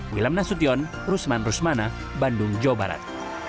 wilam nasution rusman rusmana bandung jawa barat